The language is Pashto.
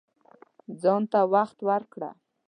ځان ته وخت ورکړه